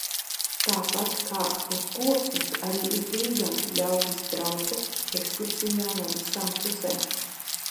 Tāpat kā uz Koknesi, arī uz Vīganti ļaudis brauca ekskursijā no visām pusēm.